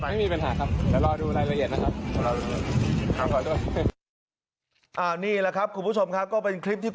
เผื่อซ้ำมาติ